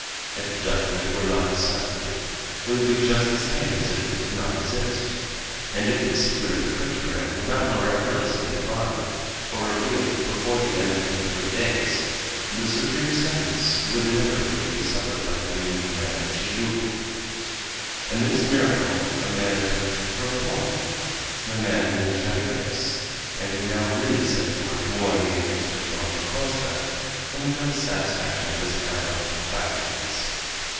If the document were not deciphered, it would be just the same as if it did not exist; and if the secret of the cryptogram were not miraculously divined or revealed before the end of the three days, the supreme sentence would inevitably be suffered by the doomed man of Tijuco. And this miracle a man attempted to perform! The man was Jarriquez, and he now really set to work more in the interest of Joam Dacosta than for the satisfaction of his analytical faculties.